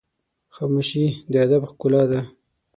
خاموشي، د ادب ښکلا ده.